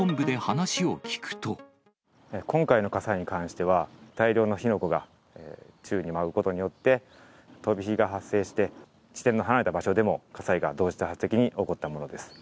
今回の火災に関しては、大量の火の粉が宙に舞うことによって、飛び火が発生して、地点の離れた場所でも火災が同時多発的に起こったものです。